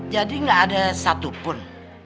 jadi gak ada satupun